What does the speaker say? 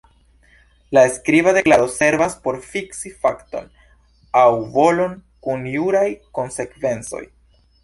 La skriba deklaro servas por fiksi fakton aŭ volon kun juraj konsekvencoj.